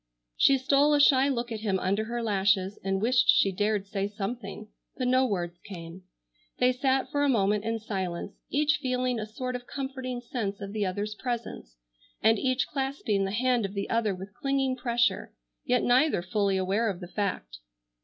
She stole a shy look at him under her lashes, and wished she dared say something, but no words came. They sat for a moment in silence, each feeling a sort of comforting sense of the other's presence, and each clasping the hand of the other with clinging pressure, yet neither fully aware of the fact.